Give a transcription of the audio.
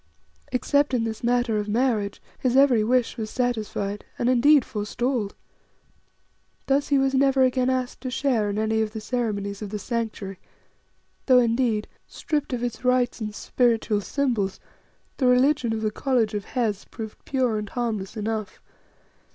Except in this matter of marriage, his every wish was satisfied, and indeed forestalled. Thus he was never again asked to share in any of the ceremonies of the Sanctuary, though, indeed, stripped of its rites and spiritual symbols, the religion of the College of Hes proved pure and harmless enough.